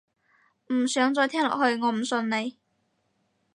唔想再聽落去，我唔信你